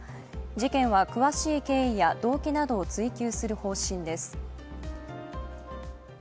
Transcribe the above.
警察は詳しい経緯や動機などを追及する方針です。